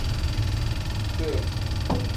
勒普拉尼亚。